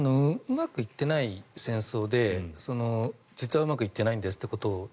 うまくいっていない戦争で実はうまくいってないんですって